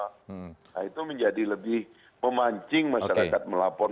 nah itu menjadi lebih memancing masyarakat melapor